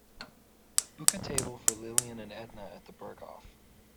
book a table for lillian and edna at The Berghoff